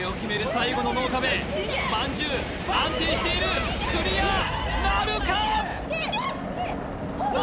最後の脳かべまんじゅう安定しているクリアなるか？